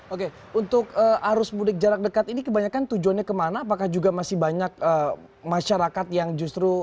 oke untuk arus mudik jarak dekat ini kebanyakan tujuannya kemana apakah juga masih banyak masyarakat yang justru